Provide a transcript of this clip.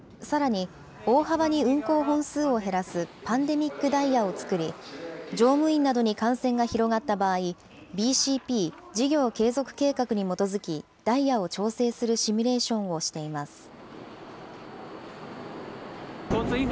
さらに、大幅に運行本数を減らすパンデミックダイヤを作り、乗務員などに感染が広がった場合、ＢＣＰ・事業継続計画に基づき、ダイヤを調整するシミュレーションをしています。